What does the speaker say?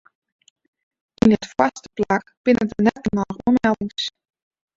Yn it foarste plak binne der net genôch oanmeldings.